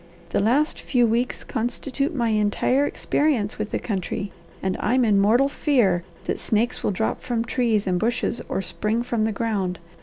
The last few weeks constitute my entire experience with the country, and I'm in mortal fear that snakes will drop from trees and bushes or spring from the ground.